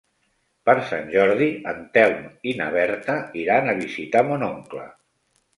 Per Sant Jordi en Telm i na Berta iran a visitar mon oncle.